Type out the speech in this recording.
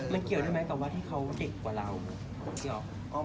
มันเกี่ยวได้มั้ยกับว่าที่เขาเด็กกว่าเรา